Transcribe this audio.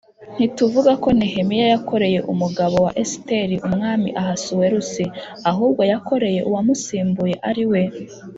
ntivuga ko Nehemiya yakoreye umugabo wa Esiteri Umwami Ahasuwerusi Ahubwo yakoreye uwamusimbuye ari we